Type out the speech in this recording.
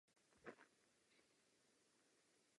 Tento přístup nemůžeme tolerovat.